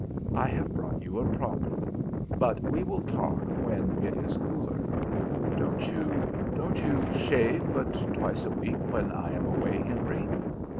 "I have brought you a problem. But we will talk when it is cooler. Don't you don't you shave but twice a week when I am away, Henry?"